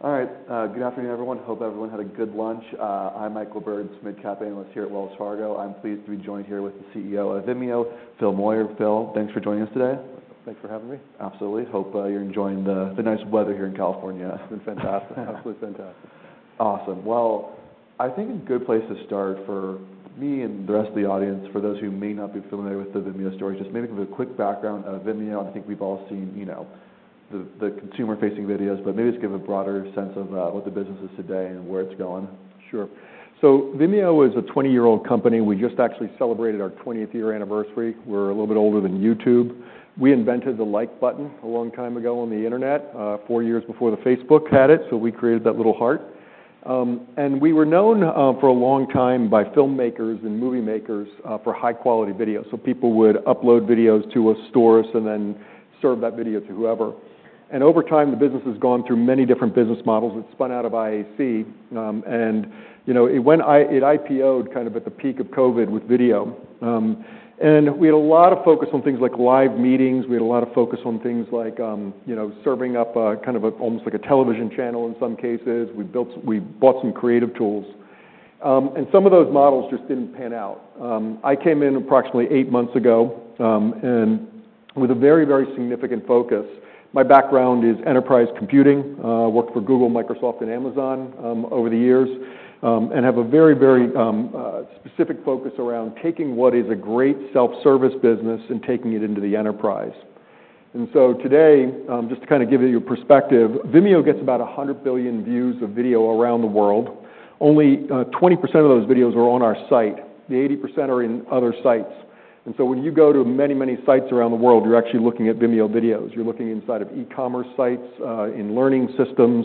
All right. Good afternoon, everyone. Hope everyone had a good lunch. I'm Michael Berg, Mid-Cap Analyst here at Wells Fargo. I'm pleased to be joined here with the CEO of Vimeo, Phil Moyer. Phil, thanks for joining us today. Thanks for having me. Absolutely. Hope, you're enjoying the nice weather here in California. It's been fantastic. Absolutely fantastic. Awesome. Well, I think a good place to start for me and the rest of the audience, for those who may not be familiar with the Vimeo story, just maybe give a quick background of Vimeo. I think we've all seen, you know, the consumer-facing videos, but maybe just give a broader sense of what the business is today and where it's going. Sure. So Vimeo is a 20-year-old company. We just actually celebrated our 20th year anniversary. We're a little bit older than YouTube. We invented the like button a long time ago on the internet, four years before Facebook had it, so we created that little heart. And we were known, for a long time by filmmakers and movie makers, for high-quality videos. So people would upload videos to us, store with us, and then serve that video to whoever. And over time, the business has gone through many different business models. It spun out of IAC, and, you know, it went, it IPO'd kind of at the peak of COVID with video. And we had a lot of focus on things like live meetings. We had a lot of focus on things like, you know, serving up a kind of a almost like a television channel in some cases. We built, we bought some creative tools, and some of those models just didn't pan out. I came in approximately eight months ago and with a very, very significant focus. My background is enterprise computing: worked for Google, Microsoft, and Amazon over the years and have a very, very specific focus around taking what is a great self-service business and taking it into the enterprise, and so today, just to kind of give you a perspective, Vimeo gets about 100 billion views of video around the world. Only 20% of those videos are on our site. The 80% are in other sites, and so when you go to many, many sites around the world, you're actually looking at Vimeo videos. You're looking inside of e-commerce sites, in learning systems.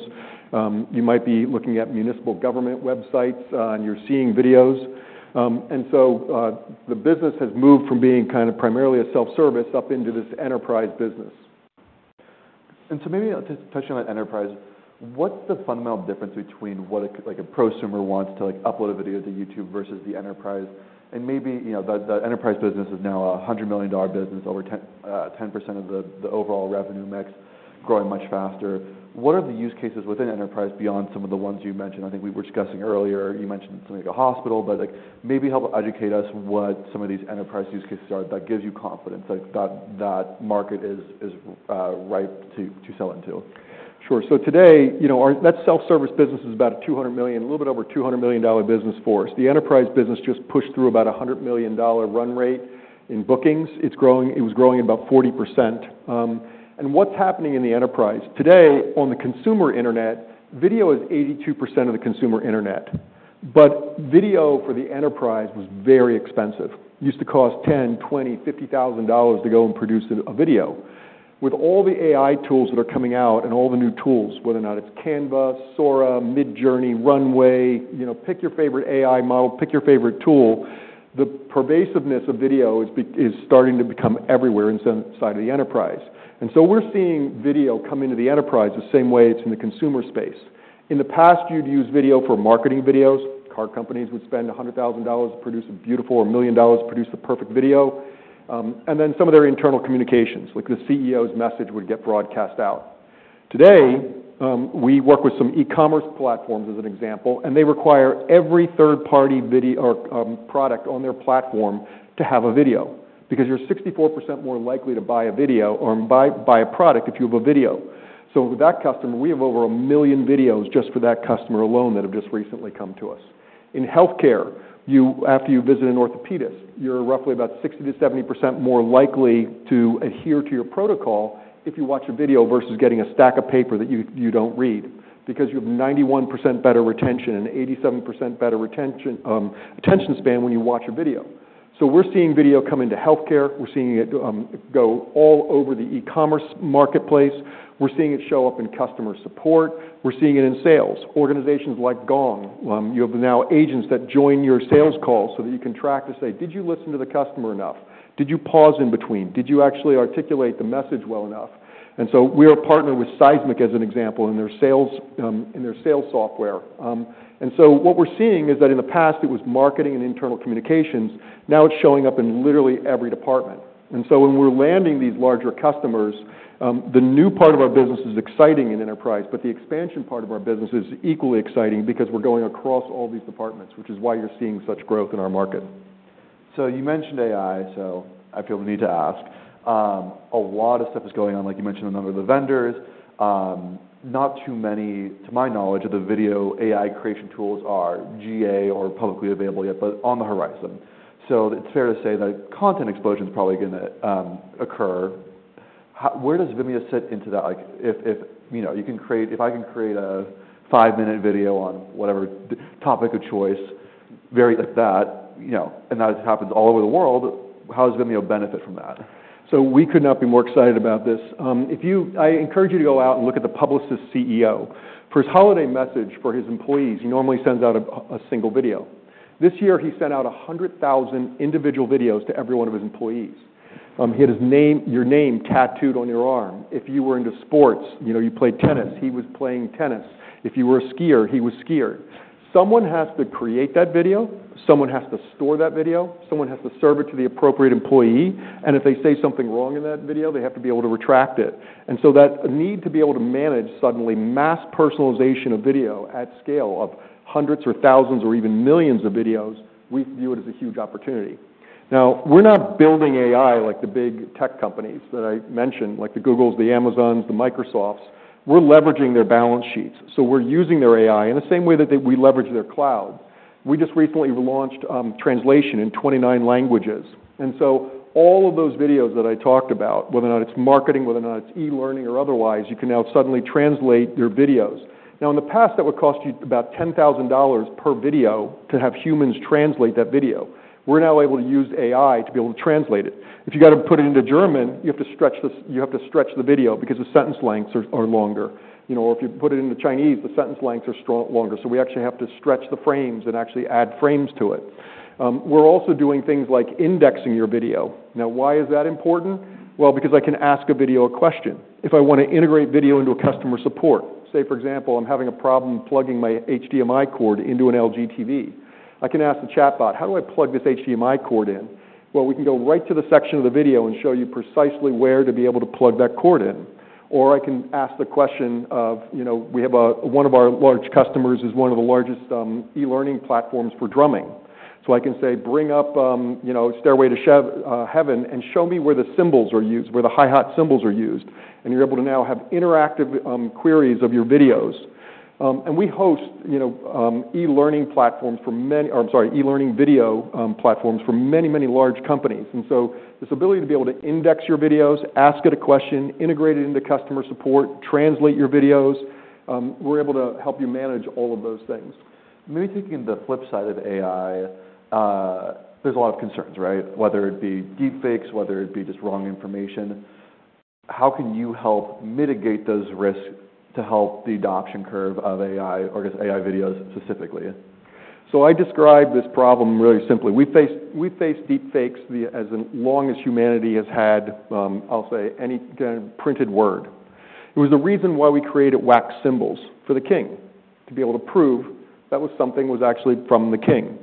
You might be looking at municipal government websites, and you're seeing videos. And so, the business has moved from being kind of primarily a self-service up into this enterprise business. And so maybe to touch on that enterprise. What's the fundamental difference between what a like a prosumer wants to like upload a video to YouTube versus the enterprise? And maybe, you know, the enterprise business is now a $100 million business, over 10% of the overall revenue mix, growing much faster. What are the use cases within enterprise beyond some of the ones you mentioned? I think we were discussing earlier. You mentioned something like a hospital, but like maybe help educate us what some of these enterprise use cases are that gives you confidence that that market is ripe to sell into. Sure. So today, you know, our net self-service business is about a $200 million, a little bit over $200 million business for us. The enterprise business just pushed through about a $100 million run rate in bookings. It's growing. It was growing about 40% and what's happening in the enterprise today on the consumer internet, video is 82% of the consumer internet. But video for the enterprise was very expensive. Used to cost $10, $20, $50,000 to go and produce a video. With all the AI tools that are coming out and all the new tools, whether or not it's Canva, Sora, Midjourney, Runway, you know, pick your favorite AI model, pick your favorite tool, the pervasiveness of video is starting to become everywhere inside of the enterprise. And so we're seeing video come into the enterprise the same way it's in the consumer space. In the past, you'd use video for marketing videos. Car companies would spend $100,000 to produce a beautiful or $1 million to produce the perfect video. And then some of their internal communications, like the CEO's message, would get broadcast out. Today, we work with some e-commerce platforms as an example, and they require every third-party video or product on their platform to have a video because you're 64% more likely to buy a product if you have a video. So with that customer, we have over a million videos just for that customer alone that have just recently come to us. In healthcare, after you visit an orthopedist, you're roughly about 60%-70% more likely to adhere to your protocol if you watch a video versus getting a stack of paper that you don't read because you have 91% better retention and 87% better retention, attention span when you watch a video. So we're seeing video come into healthcare. We're seeing it go all over the e-commerce marketplace. We're seeing it show up in customer support. We're seeing it in sales. Organizations like Gong, you have now agents that join your sales calls so that you can track to say, "Did you listen to the customer enough? Did you pause in between? Did you actually articulate the message well enough?" And so we are partnered with Seismic as an example in their sales software. And so what we're seeing is that in the past, it was marketing and internal communications. Now it's showing up in literally every department. And so when we're landing these larger customers, the new part of our business is exciting in enterprise, but the expansion part of our business is equally exciting because we're going across all these departments, which is why you're seeing such growth in our market. So you mentioned AI, so I feel the need to ask. A lot of stuff is going on, like you mentioned, a number of the vendors. Not too many, to my knowledge, of the video AI creation tools are GA or publicly available yet, but on the horizon. So it's fair to say that content explosion's probably gonna occur. How where does Vimeo sit into that? Like, if you know, you can create if I can create a five-minute video on whatever topic of choice, very like that, you know, and that happens all over the world, how does Vimeo benefit from that? So we could not be more excited about this. I encourage you to go out and look at the Publicis's CEO. For his holiday message for his employees, he normally sends out a single video. This year, he sent out 100,000 individual videos to every one of his employees. He had his name your name tattooed on your arm. If you were into sports, you know, you played tennis, he was playing tennis. If you were a skier, he was skier. Someone has to create that video. Someone has to store that video. Someone has to serve it to the appropriate employee. And if they say something wrong in that video, they have to be able to retract it. And so that need to be able to manage suddenly mass personalization of video at scale of hundreds or thousands or even millions of videos, we view it as a huge opportunity. Now, we're not building AI like the big tech companies that I mentioned, like the Googles, the Amazons, the Microsofts. We're leveraging their balance sheets. So we're using their AI in the same way that we leverage their cloud. We just recently launched translation in 29 languages. And so all of those videos that I talked about, whether or not it's marketing, whether or not it's e-learning or otherwise, you can now suddenly translate your videos. Now, in the past, that would cost you about $10,000 per video to have humans translate that video. We're now able to use AI to be able to translate it. If you gotta put it into German, you have to stretch the video because the sentence lengths are longer. You know, or if you put it into Chinese, the sentence lengths are shorter. So we actually have to stretch the frames and actually add frames to it. We're also doing things like indexing your video. Now, why is that important? Well, because I can ask a video a question. If I wanna integrate video into a customer support, say, for example, I'm having a problem plugging my HDMI cord into an LG TV, I can ask the chatbot, "How do I plug this HDMI cord in?" Well, we can go right to the section of the video and show you precisely where to be able to plug that cord in. Or I can ask the question of, you know, we have one of our large customers is one of the largest e-learning platforms for drumming. So I can say, "Bring up, you know, Stairway to Heaven and show me where the cymbals are used, where the hi-hat cymbals are used." And you're able to now have interactive queries of your videos, and we host, you know, e-learning platforms for many or, I'm sorry, e-learning video platforms for many, many large companies. And so this ability to be able to index your videos, ask it a question, integrate it into customer support, translate your videos, we're able to help you manage all of those things. Maybe taking the flip side of AI, there's a lot of concerns, right? Whether it be deepfakes, whether it be just wrong information. How can you help mitigate those risks to help the adoption curve of AI or just AI videos specifically? So I describe this problem really simply. We faced deepfakes as long as humanity has had, I'll say, any kind of printed word. It was the reason why we created wax seals for the king to be able to prove that something was actually from the king.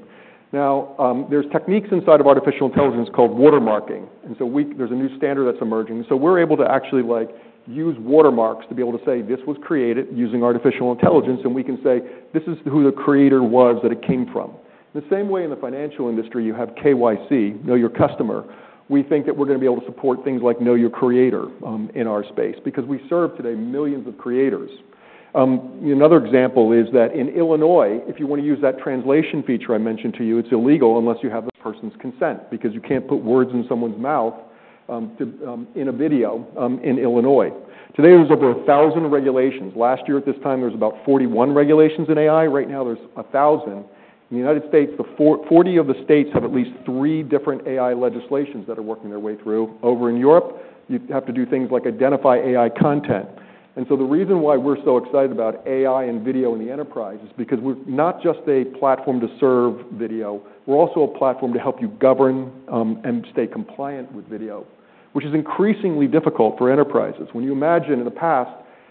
Now, there are techniques inside of artificial intelligence called watermarking. And so there's a new standard that's emerging. So we're able to actually, like, use watermarks to be able to say, "This was created using artificial intelligence," and we can say, "This is who the creator was that it came from." The same way in the financial industry, you have KYC, Know Your Customer. We think that we're gonna be able to support things like Know Your Creator, in our space because we serve today millions of creators. Another example is that in Illinois, if you wanna use that translation feature I mentioned to you, it's illegal unless you have the person's consent because you can't put words in someone's mouth, to, in a video, in Illinois. Today, there's over 1,000 regulations. Last year, at this time, there was about 41 regulations in AI. Right now, there's 1,000. In the United States, the 40 of the states have at least three different AI legislations that are working their way through. Over in Europe, you have to do things like identify AI content. And so the reason why we're so excited about AI and video in the enterprise is because we're not just a platform to serve video. We're also a platform to help you govern, and stay compliant with video, which is increasingly difficult for enterprises. When you imagine in the past,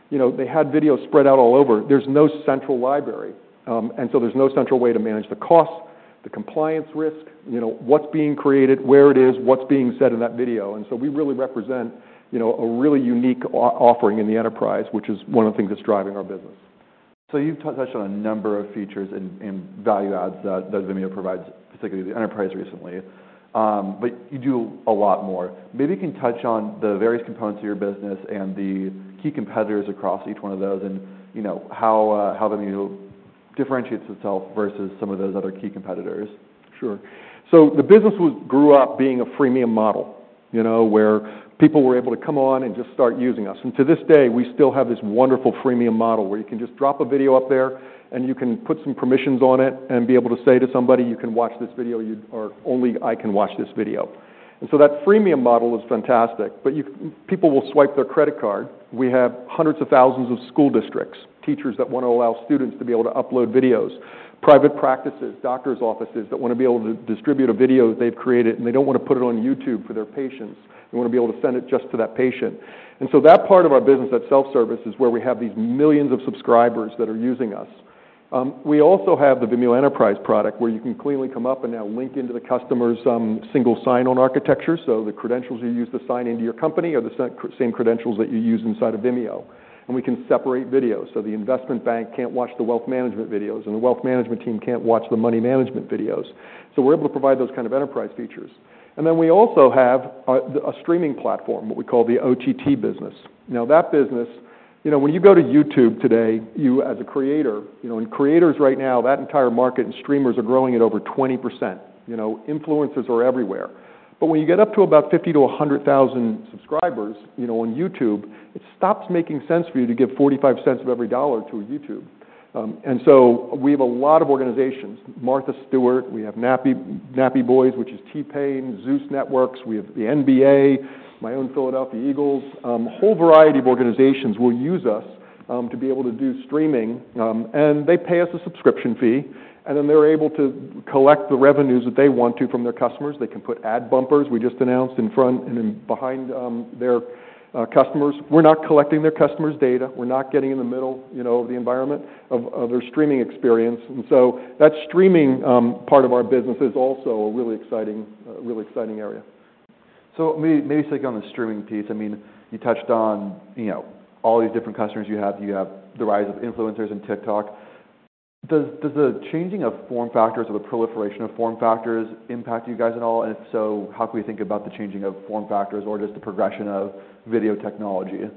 you know, they had video spread out all over. There's no central library, and so there's no central way to manage the costs, the compliance risk, you know, what's being created, where it is, what's being said in that video. And so we really represent, you know, a really unique offering in the enterprise, which is one of the things that's driving our business. So you've touched on a number of features and value adds that Vimeo provides, particularly the enterprise recently. But you do a lot more. Maybe you can touch on the various components of your business and the key competitors across each one of those and, you know, how Vimeo differentiates itself versus some of those other key competitors. Sure. So the business grew up being a freemium model, you know, where people were able to come on and just start using us. And to this day, we still have this wonderful freemium model where you can just drop a video up there and you can put some permissions on it and be able to say to somebody, "You can watch this video. You're the only one who can watch this video." And so that freemium model is fantastic, but to get people to swipe their credit card. We have hundreds of thousands of school districts, teachers that wanna allow students to be able to upload videos, private practices, doctor's offices that wanna be able to distribute a video they've created, and they don't wanna put it on YouTube for their patients. They wanna be able to send it just to that patient. And so that part of our business, that self-service, is where we have these millions of subscribers that are using us. We also have the Vimeo Enterprise product where you can clearly come up and now link into the customer's single sign-on architecture. So the credentials you use to sign into your company are the same credentials that you use inside of Vimeo. And we can separate videos. So the investment bank can't watch the wealth management videos, and the wealth management team can't watch the money management videos. So we're able to provide those kind of enterprise features. And then we also have a streaming platform, what we call the OTT business. Now, that business, you know, when you go to YouTube today, you, as a creator, you know, and creators right now, that entire market and streamers are growing at over 20%. You know, influencers are everywhere. But when you get up to about 50-100,000 subscribers, you know, on YouTube, it stops making sense for you to give 45 cents of every dollar to YouTube. And so we have a lot of organizations. Martha Stewart, we have Nappy Boy, which is T-Pain, Zeus Network, we have the NBA, my own Philadelphia Eagles, a whole variety of organizations will use us to be able to do streaming. And they pay us a subscription fee, and then they're able to collect the revenues that they want to from their customers. They can put ad bumpers, we just announced, in front and behind their customers. We're not collecting their customers' data. We're not getting in the middle, you know, of the environment of their streaming experience. And so that streaming part of our business is also a really exciting, really exciting area. So maybe sticking on the streaming piece, I mean, you touched on, you know, all these different customers you have. You have the rise of influencers and TikTok. Does the changing of form factors or the proliferation of form factors impact you guys at all? And if so, how can we think about the changing of form factors or just the progression of video technology?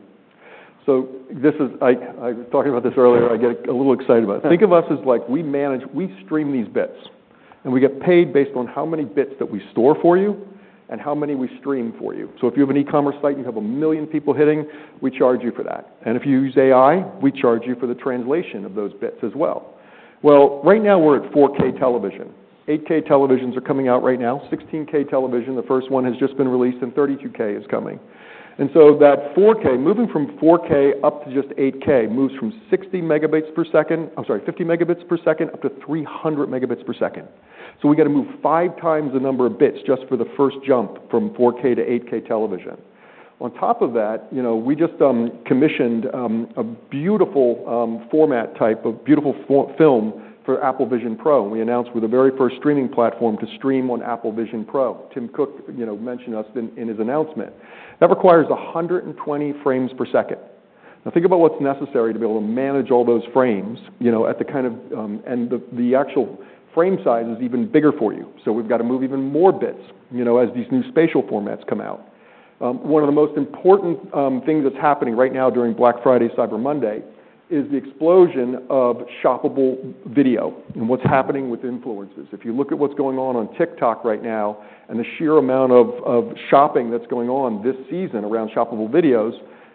So this is. I was talking about this earlier. I get a little excited about it. Think of us as, like, we manage, we stream these bits, and we get paid based on how many bits that we store for you and how many we stream for you. So if you have an e-commerce site and you have a million people hitting, we charge you for that. And if you use AI, we charge you for the translation of those bits as well. Well, right now, we're at 4K television. 8K televisions are coming out right now. 16K television, the first one has just been released, and 32K is coming. And so that 4K moving from 4K up to just 8K moves from 60 megabits per second. I'm sorry, 50 megabits per second up to 300 megabits per second. So we gotta move five times the number of bits just for the first jump from 4K to 8K television. On top of that, you know, we just commissioned a beautiful format, a type of beautiful 360 film for Apple Vision Pro. We announced we're the very first streaming platform to stream on Apple Vision Pro. Tim Cook, you know, mentioned us in his announcement. That requires 120 frames per second. Now, think about what's necessary to be able to manage all those frames, you know. The actual frame size is even bigger for you. So we've gotta move even more bits, you know, as these new spatial formats come out. One of the most important things that's happening right now during Black Friday, Cyber Monday, is the explosion of shoppable video and what's happening with influencers. If you look at what's going on on TikTok right now and the sheer amount of shopping that's going on this season around shoppable videos,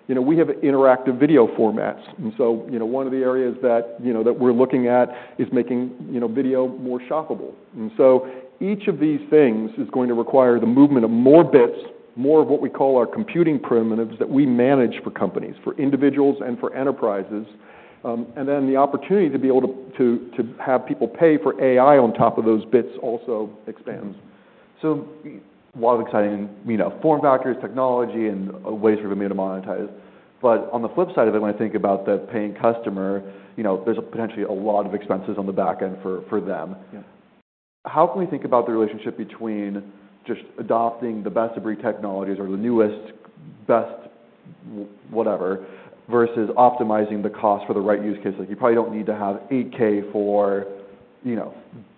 you know, we have interactive video formats. And so, you know, one of the areas that, you know, that we're looking at is making, you know, video more shoppable. And so each of these things is going to require the movement of more bits, more of what we call our computing primitives that we manage for companies, for individuals and for enterprises. And then the opportunity to to be able to have people pay for AI on top of those bits also expands. So a lot of exciting, you know, form factors, technology, and ways for Vimeo to monetize. But on the flip side of it, when I think about that paying customer, you know, there's potentially a lot of expenses on the back end for them. Yeah. How can we think about the relationship between just adopting the best of breed technologies or the newest best whatever versus optimizing the cost for the right use case? Like, you probably don't need to have 8K for, you know,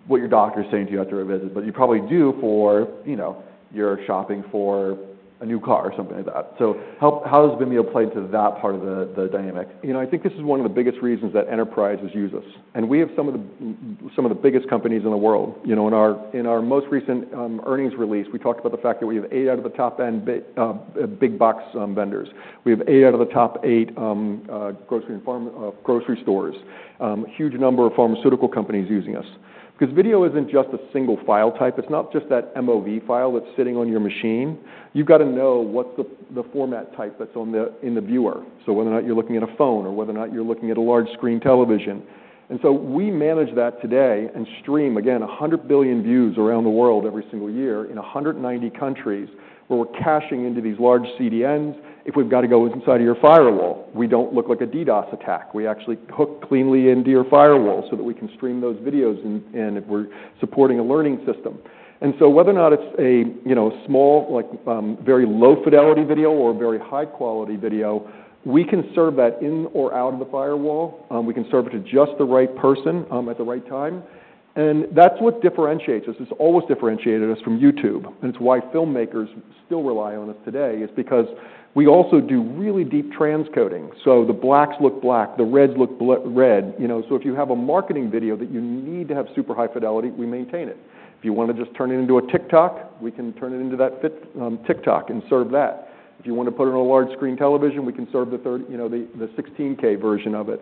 what your doctor's saying to you after a visit, but you probably do for, you know, your shopping for a new car or something like that. So how does Vimeo play into that part of the dynamic? You know, I think this is one of the biggest reasons that enterprises use us, and we have some of the biggest companies in the world. You know, in our most recent earnings release, we talked about the fact that we have eight out of the top eight big box vendors. We have eight out of the top eight grocery and pharma grocery stores, huge number of pharmaceutical companies using us. Because video isn't just a single file type. It's not just that MOV file that's sitting on your machine. You've gotta know what's the format type that's in the viewer. So whether or not you're looking at a phone or whether or not you're looking at a large screen television. And so we manage that today and stream, again, 100 billion views around the world every single year in 190 countries where we're caching into these large CDNs. If we've gotta go inside of your firewall, we don't look like a DDoS attack. We actually hook cleanly into your firewall so that we can stream those videos, and we're supporting a learning system. And so whether or not it's a, you know, small, like, very low fidelity video or very high quality video, we can serve that in or out of the firewall. We can serve it to just the right person, at the right time. And that's what differentiates us. It's always differentiated us from YouTube. It's why filmmakers still rely on us today is because we also do really deep transcoding. The blacks look black. The reds look blood red. You know, so if you have a marketing video that you need to have super high fidelity, we maintain it. If you wanna just turn it into a TikTok, we can turn it into that fits TikTok and serve that. If you wanna put it on a large screen television, we can serve you know, the 16K version of it.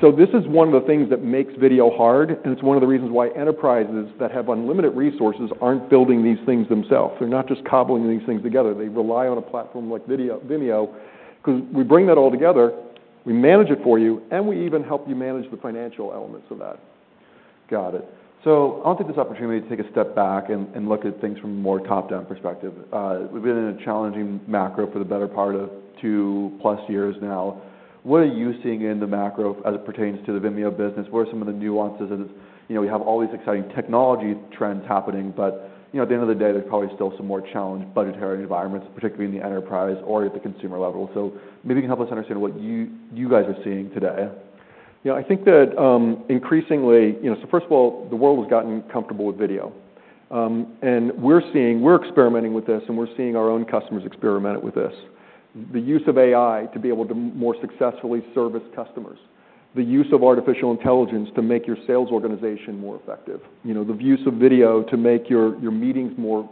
So this is one of the things that makes video hard, and it's one of the reasons why enterprises that have unlimited resources aren't building these things themselves. They're not just cobbling these things together. They rely on a platform like Vimeo 'cause we bring that all together. We manage it for you, and we even help you manage the financial elements of that. Got it. So I want to take this opportunity to take a step back and look at things from a more top-down perspective. We've been in a challenging macro for the better part of two-plus years now. What are you seeing in the macro as it pertains to the Vimeo business? What are some of the nuances? And it's, you know, we have all these exciting technology trends happening, but, you know, at the end of the day, there's probably still some more challenged budgetary environments, particularly in the enterprise or at the consumer level. So maybe you can help us understand what you guys are seeing today. Yeah. I think that, increasingly, you know, so first of all, the world has gotten comfortable with video. And we're seeing, we're experimenting with this, and we're seeing our own customers experiment with this. The use of AI to be able to more successfully service customers. The use of artificial intelligence to make your sales organization more effective. You know, the use of video to make your, your meetings more,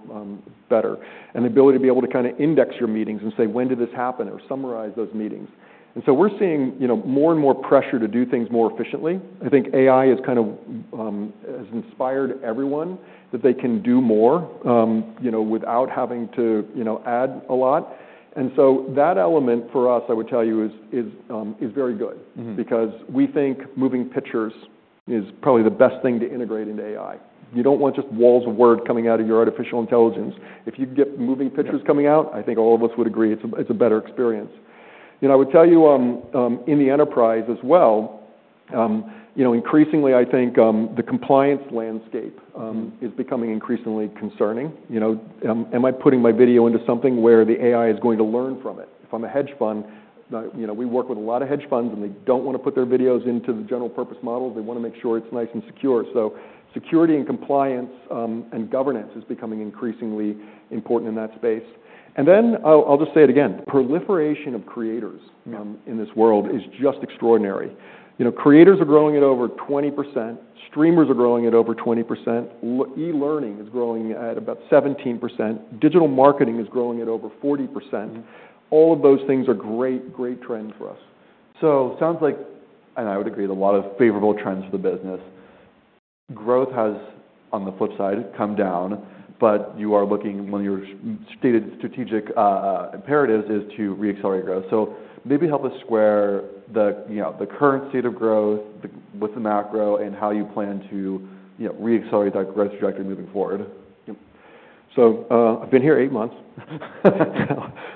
better. And the ability to be able to kinda index your meetings and say, "When did this happen?" or summarize those meetings. And so we're seeing, you know, more and more pressure to do things more efficiently. I think AI has kind of inspired everyone that they can do more, you know, without having to, you know, add a lot. And so that element for us, I would tell you, is very good. Mm-hmm. Because we think moving pictures is probably the best thing to integrate into AI. You don't want just walls of word coming out of your artificial intelligence. If you could get moving pictures coming out, I think all of us would agree it's a better experience. You know, I would tell you, in the enterprise as well, you know, increasingly, I think, the compliance landscape is becoming increasingly concerning. You know, am I putting my video into something where the AI is going to learn from it? If I'm a hedge fund, you know, we work with a lot of hedge funds, and they don't wanna put their videos into the general purpose models. They wanna make sure it's nice and secure. So security and compliance, and governance is becoming increasingly important in that space. And then I'll just say it again. The proliferation of creators, in this world is just extraordinary. You know, creators are growing at over 20%. Streamers are growing at over 20%. E-learning is growing at about 17%. Digital marketing is growing at over 40%. Mm-hmm. All of those things are great, great trends for us. It sounds like, and I would agree, a lot of favorable trends for the business. Growth has, on the flip side, come down, but you are looking at one of your stated strategic imperatives is to re-accelerate growth. So maybe help us square the, you know, the current state of growth with the macro, and how you plan to, you know, re-accelerate that growth trajectory moving forward. Yep. So, I've been here eight months.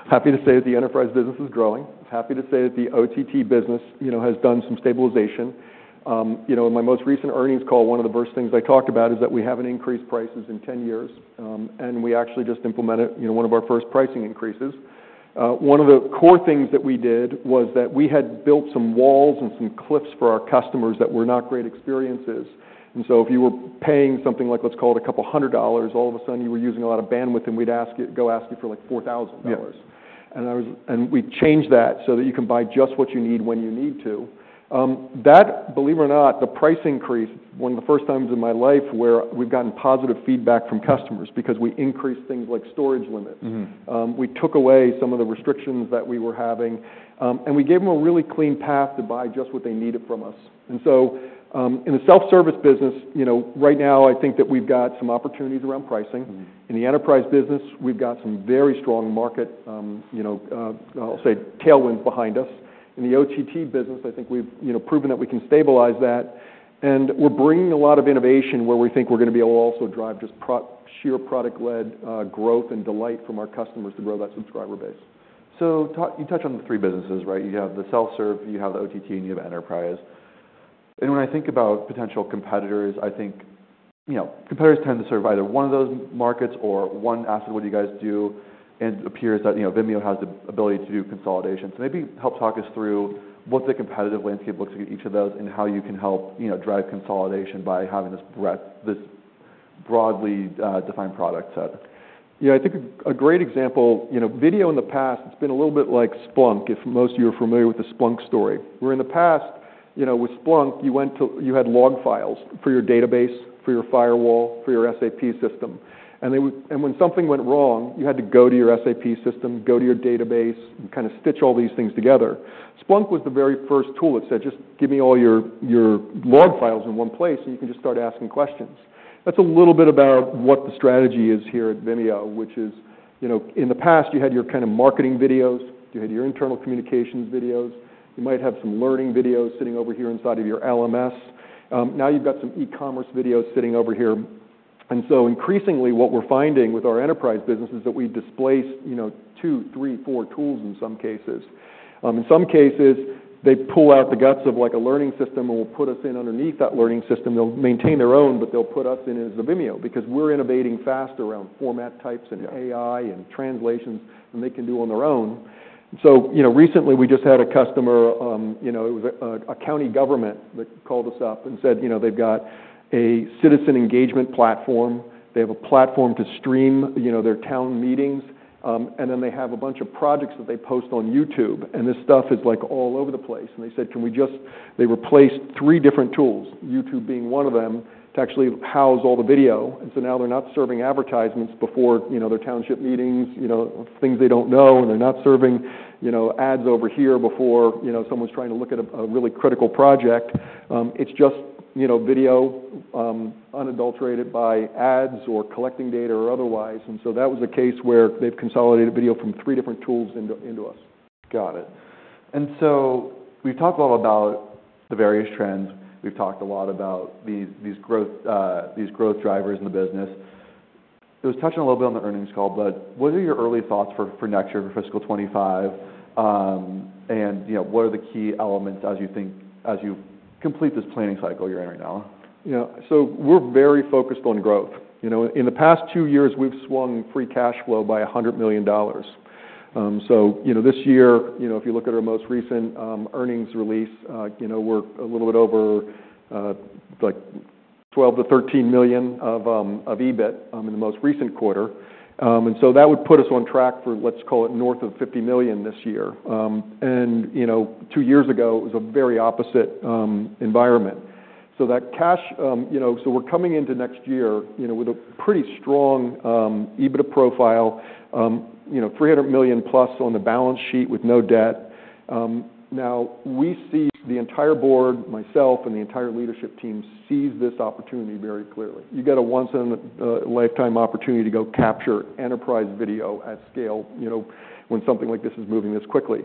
Happy to say that the enterprise business is growing. I'm happy to say that the OTT business, you know, has done some stabilization. You know, in my most recent earnings call, one of the first things I talked about is that we haven't increased prices in 10 years. And we actually just implemented, you know, one of our first pricing increases. One of the core things that we did was that we had built some walls and some cliffs for our customers that were not great experiences. And so if you were paying something like, let's call it a couple hundred dollars, all of a sudden you were using a lot of bandwidth, and we'd ask you for like $4,000. Yeah. We changed that so that you can buy just what you need when you need to. That, believe it or not, the price increase, one of the first times in my life where we've gotten positive feedback from customers because we increased things like storage limits. Mm-hmm. And we took away some of the restrictions that we were having and we gave them a really clean path to buy just what they needed from us, and so, in the self-service business, you know, right now, I think that we've got some opportunities around pricing. In the enterprise business, we've got some very strong market, you know, I'll say tailwinds behind us. In the OTT business, I think we've, you know, proven that we can stabilize that, and we're bringing a lot of innovation where we think we're gonna be able to also drive just pure sheer product-led growth and delight from our customers to grow that subscriber base. So, you touched on the three businesses, right? You have the self-serve, you have the OTT, and you have enterprise. And when I think about potential competitors, I think, you know, competitors tend to serve either one of those markets or one aspect. What do you guys do? And it appears that, you know, Vimeo has the ability to do consolidation. So maybe help walk us through what the competitive landscape looks like at each of those and how you can help, you know, drive consolidation by having this breadth, this broadly defined product set. Yeah. I think a great example, you know, video in the past, it's been a little bit like Splunk, if most of you are familiar with the Splunk story. Where in the past, you know, with Splunk, you went to, you had log files for your database, for your firewall, for your SAP system. And when something went wrong, you had to go to your SAP system, go to your database, and kinda stitch all these things together. Splunk was the very first tool. It said, "Just give me all your your log files in one place, and you can just start asking questions." That's a little bit about what the strategy is here at Vimeo, which is, you know, in the past, you had your kind of marketing videos. You had your internal communications videos. You might have some learning videos sitting over here inside of your LMS. Now you've got some e-commerce videos sitting over here. And so increasingly, what we're finding with our enterprise business is that we displace, you know, two, three, four tools in some cases. In some cases, they pull out the guts of like a learning system and will put us in underneath that learning system. They'll maintain their own, but they'll put us in as a Vimeo because we're innovating fast around format types and AI and translations than they can do on their own. And so, you know, recently, we just had a customer, you know, it was a county government that called us up and said, you know, they've got a citizen engagement platform. They have a platform to stream, you know, their town meetings. And then they have a bunch of projects that they post on YouTube. And this stuff is like all over the place. And they said, "Can we just" – they replaced three different tools, YouTube being one of them, to actually house all the video. And so now they're not serving advertisements before, you know, their township meetings, you know, things they don't know. And they're not serving, you know, ads over here before, you know, someone's trying to look at a, a really critical project. It's just, you know, video, unadulterated by ads or collecting data or otherwise. And so that was a case where they've consolidated video from three different tools into us. Got it. And so we've talked a lot about the various trends. We've talked a lot about these these growth drivers in the business. I was touching a little bit on the earnings call, but what are your early thoughts for next year, for fiscal 2025? And, you know, what are the key elements as you think as you complete this planning cycle you're in right now? Yeah. So we're very focused on growth. You know, in the past two years, we've swung free cash flow by $100 million. And so, you know, this year, you know, if you look at our most recent earnings release, you know, we're a little bit over, like $12-$13 million of EBIT in the most recent quarter, and so that would put us on track for, let's call it north of $50 million this year, and, you know, two years ago, it was a very opposite environment. So that cash, you know, so we're coming into next year, you know, with a pretty strong EBITDA profile, you know, $300 million plus on the balance sheet with no debt. Now we see the entire board, myself, and the entire leadership team sees this opportunity very clearly. You get a once-in-a-lifetime opportunity to go capture enterprise video at scale, you know, when something like this is moving this quickly.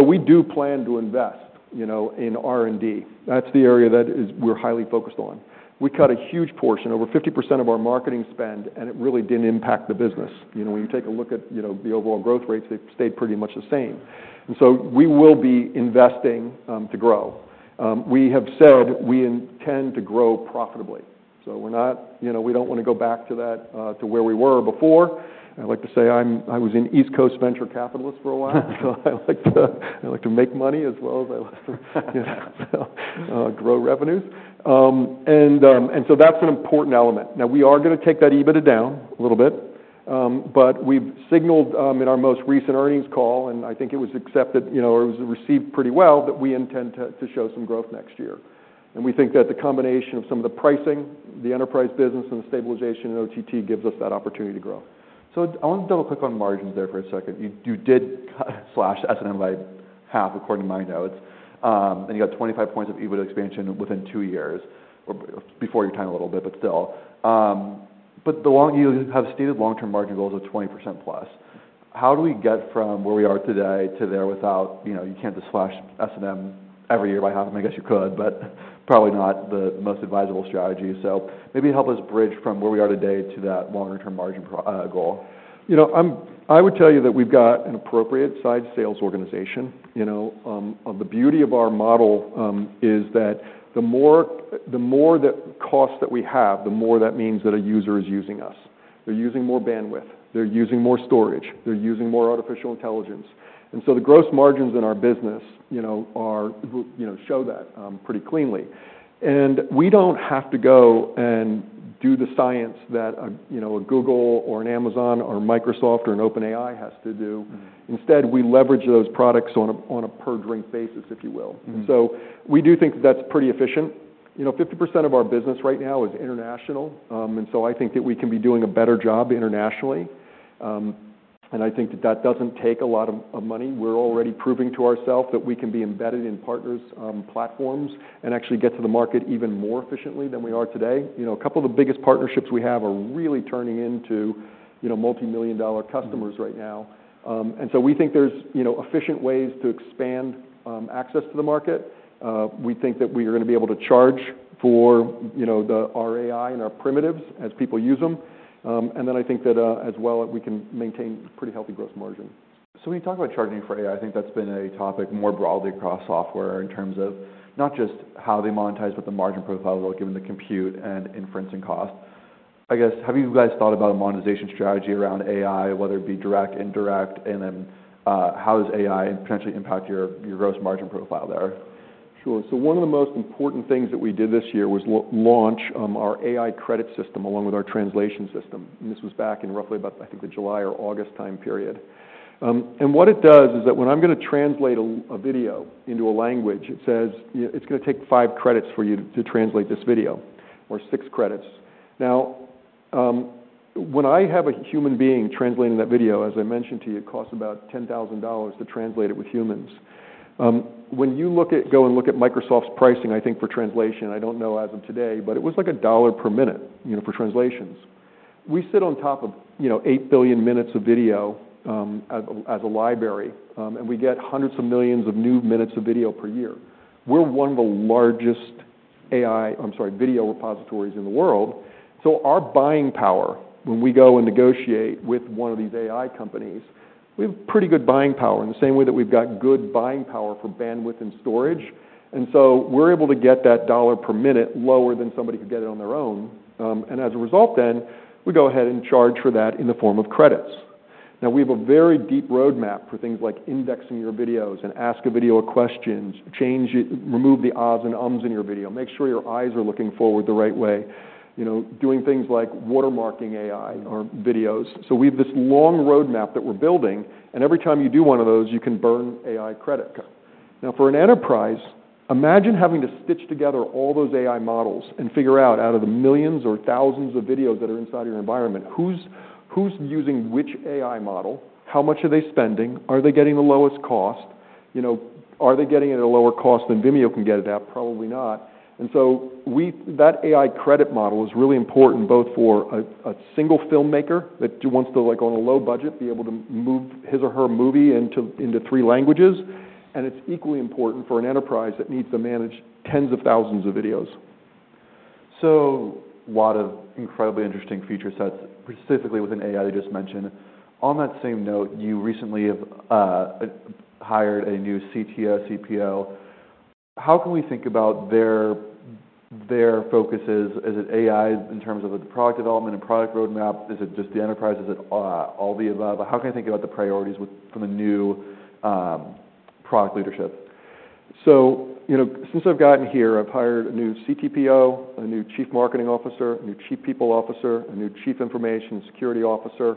We do plan to invest, you know, in R&D. That's the area that we're highly focused on. We cut a huge portion, over 50% of our marketing spend, and it really didn't impact the business. You know, when you take a look at, you know, the overall growth rates, they've stayed pretty much the same. And so we will be investing to grow. We have said we intend to grow profitably. So we're not, you know, we don't wanna go back to that, to where we were before. I like to say I was an East Coast venture capitalist for a while, so I like to make money as well as I like to, you know, grow revenues. And so that's an important element. Now, we are gonna take that EBITDA down a little bit. But we've signaled, in our most recent earnings call, and I think it was accepted, you know, or it was received pretty well, that we intend to show some growth next year. And we think that the combination of some of the pricing, the enterprise business, and the stabilization in OTT gives us that opportunity to grow. So I wanna double-click on margins there for a second. You did cut slash S&M by half, according to my notes, and you got 25 points of EBITDA expansion within two years or before your time a little bit, but still, but you've long stated long-term margin goals of 20% plus. How do we get from where we are today to there without, you know, you can't just slash S&M every year by half? I mean, I guess you could, but probably not the most advisable strategy, so maybe help us bridge from where we are today to that longer-term margin profile goal. You know, I would tell you that we've got an appropriate-sized sales organization, you know. The beauty of our model is that the more, the more cost that we have, the more that means that a user is using us. They're using more bandwidth. They're using more storage. They're using more artificial intelligence. And so the gross margins in our business, you know, show that pretty cleanly. And we don't have to go and do the science that, you know, a Google or an Amazon or Microsoft or an OpenAI has to do. Instead, we leverage those products on a per-drink basis, if you will. Mm-hmm. We do think that that's pretty efficient. You know, 50% of our business right now is international. I think that we can be doing a better job internationally. And I think that doesn't take a lot of money. We're already proving to ourself that we can be embedded in partners, platforms and actually get to the market even more efficiently than we are today. You know, a couple of the biggest partnerships we have are really turning into, you know, multi-million dollar customers right now. We think there's, you know, efficient ways to expand access to the market. We think that we are gonna be able to charge for, you know, the our AI and our primitives as people use them. And I think that, as well, we can maintain pretty healthy gross margin. So when you talk about charging for AI, I think that's been a topic more broadly across software in terms of not just how they monetize, but the margin profile they'll give them to compute and inference and cost. I guess, have you guys thought about a monetization strategy around AI, whether it be direct, indirect, and then, how does AI potentially impact your, your gross margin profile there? Sure. So one of the most important things that we did this year was launch our AI credit system along with our translation system. And this was back in roughly about, I think, the July or August time period, and what it does is that when I'm gonna translate a video into a language, it says, you know, it's gonna take five credits for you to translate this video or six credits. Now, when I have a human being translating that video, as I mentioned to you, it costs about $10,000 to translate it with humans. When you look at Google and look at Microsoft's pricing, I think, for translation, I don't know as of today, but it was like $1 per minute, you know, for translations. We sit on top of, you know, eight billion minutes of video, as a library. And we get hundreds of millions of new minutes of video per year. We're one of the largest AI, I'm sorry, video repositories in the world. So our buying power, when we go and negotiate with one of these AI companies, we have pretty good buying power in the same way that we've got good buying power for bandwidth and storage. And so we're able to get that dollar per minute lower than somebody could get it on their own. And as a result, then we go ahead and charge for that in the form of credits. Now, we have a very deep roadmap for things like indexing your videos and ask a video a question, change it, remove the ahs and ums in your video, make sure your eyes are looking forward the right way, you know, doing things like watermarking AI or videos. So we have this long roadmap that we're building. And every time you do one of those, you can burn AI credit. Now, for an enterprise, imagine having to stitch together all those AI models and figure out, out of the millions or thousands of videos that are inside of your environment, who's who's using which AI model, how much are they spending, are they getting the lowest cost, you know, are they getting at a lower cost than Vimeo can get at that? Probably not. And so, that AI credit model is really important both for a single filmmaker that wants to, like, on a low budget, be able to move his or her movie into three languages. And it's equally important for an enterprise that needs to manage tens of thousands of videos. So a lot of incredibly interesting feature sets, specifically with an AI that you just mentioned. On that same note, you recently have hired a new CTO, CPO. How can we think about their their focuses? Is it AI in terms of the product development and product roadmap? Is it just the enterprise? Is it all the above? How can I think about the priorities from a new product leadership? So, you know, since I've gotten here, I've hired a new CTPO, a new Chief Marketing Officer, a new Chief People Officer, a new Chief Information Security Officer,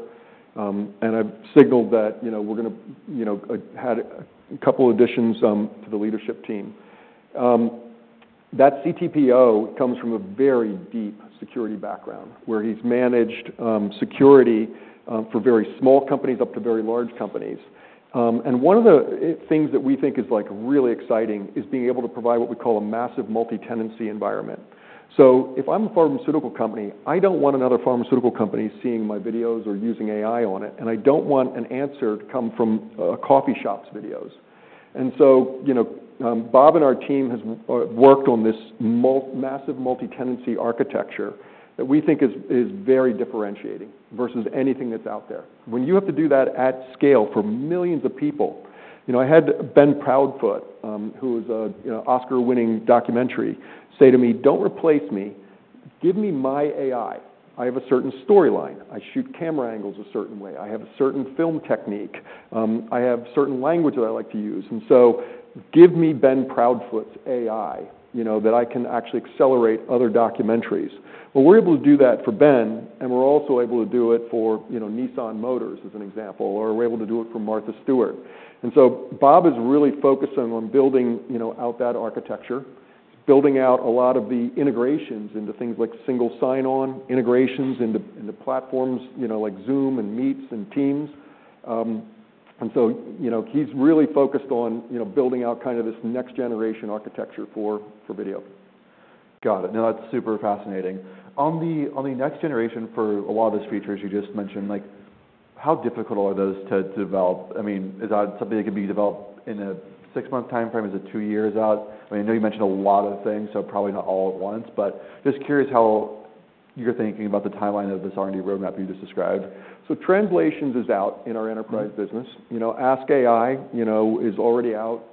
and I've signaled that, you know, we're gonna, you know, had a couple additions to the leadership team. That CTPO comes from a very deep security background where he's managed security for very small companies up to very large companies, and one of the things that we think is, like, really exciting is being able to provide what we call a massive multi-tenancy environment. So if I'm a pharmaceutical company, I don't want another pharmaceutical company seeing my videos or using AI on it, and I don't want an answer to come from coffee shops videos. And so, you know, Bob and our team has worked on this massive multi-tenancy architecture that we think is very differentiating versus anything that's out there. When you have to do that at scale for millions of people, you know, I had Ben Proudfoot, who was a, you know, Oscar-winning documentary, say to me, "Don't replace me. Give me my AI. I have a certain storyline. I shoot camera angles a certain way. I have a certain film technique. I have certain language that I like to use. And so give me Ben Proudfoot's AI, you know, that I can actually accelerate other documentaries." But we're able to do that for Ben, and we're also able to do it for, you know, Nissan Motors as an example, or we're able to do it for Martha Stewart. And so Bob is really focusing on building, you know, out that architecture, building out a lot of the integrations into things like single sign-on integrations into platforms, you know, like Zoom and Meet and Teams, and so, you know, he's really focused on, you know, building out kind of this next-generation architecture for video. Got it. No, that's super fascinating. On the, on the next generation for a lot of these features you just mentioned, like, how difficult are those to, to develop? I mean, is that something that could be developed in a six-month timeframe? Is it two years out? I mean, I know you mentioned a lot of things, so probably not all at once, but just curious how you're thinking about the timeline of this R&D roadmap you just described. So translations is out in our enterprise business. You know, Ask AI, you know, is already out,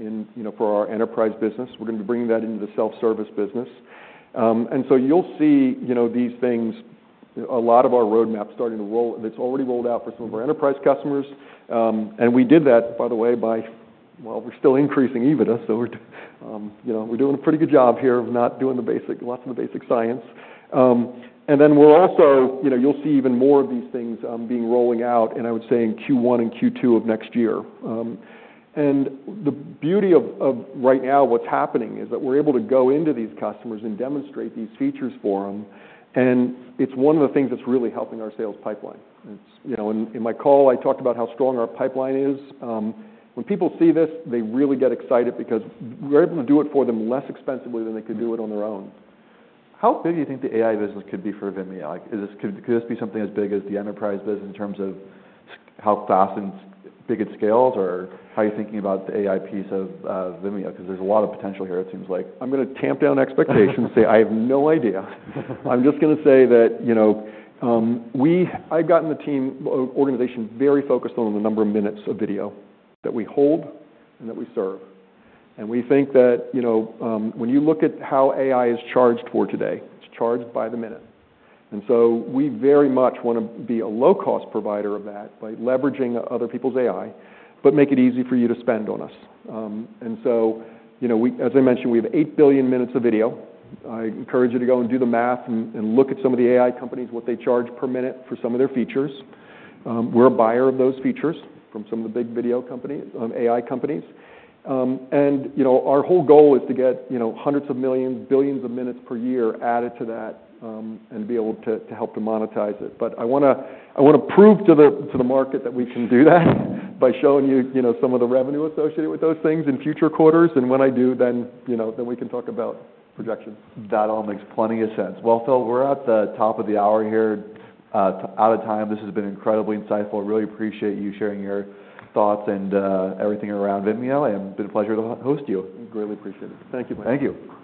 you know, for our enterprise business. We're gonna be bringing that into the self-service business, and so you'll see, you know, these things, a lot of our roadmap starting to roll. It's already rolled out for some of our enterprise customers, and we did that, by the way, well, we're still increasing EBITDA, so we're, you know, we're doing a pretty good job here of not doing the basic lots of the basic science, and then we're also, you know, you'll see even more of these things being rolling out, and I would say in Q1 and Q2 of next year, and the beauty of right now, what's happening is that we're able to go into these customers and demonstrate these features for them. It's one of the things that's really helping our sales pipeline. It's, you know, in my call, I talked about how strong our pipeline is. When people see this, they really get excited because we're able to do it for them less expensively than they could do it on their own. How big do you think the AI business could be for Vimeo? Like, could this be something as big as the enterprise business in terms of how fast and big it scales or how you're thinking about the AI piece of Vimeo? 'Cause there's a lot of potential here, it seems like. I'm gonna tamp down expectations, say I have no idea. I'm just gonna say that, you know, we've gotten the team organization very focused on the number of minutes of video that we hold and that we serve. We think that, you know, when you look at how AI is charged for today, it's charged by the minute. And so we very much wanna be a low-cost provider of that by leveraging other people's AI, but make it easy for you to spend on us. And so, you know, as I mentioned, we have 8 billion minutes of video. I encourage you to go and do the math and look at some of the AI companies, what they charge per minute for some of their features. We're a buyer of those features from some of the big video companies, AI companies. And, you know, our whole goal is to get, you know, hundreds of millions, billions of minutes per year added to that, and be able to help to monetize it. But I wanna, wanna prove to the market that we can do that by showing you, you know, some of the revenue associated with those things in future quarters. And when I do, then, you know, we can talk about projections. That all makes plenty of sense. Well, Phil, we're at the top of the hour here, out of time. This has been incredibly insightful. Really appreciate you sharing your thoughts and everything around Vimeo. And it's been a pleasure to host you. I really appreciate it. Thank you, Mike. Thank you.